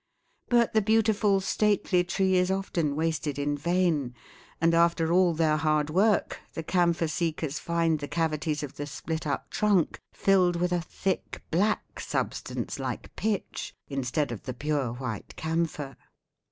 But the beautiful, stately tree is often wasted in vain, and after all their hard work the camphor seekers find the cavities of the split up trunk filled with a thick black substance like pitch instead of the pure white camphor."